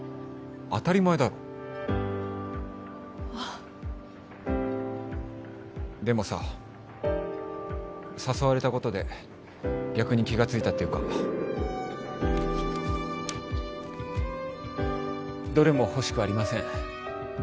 当たり前だろあっでもさ誘われたことで逆に気がついたっていうかどれも欲しくありません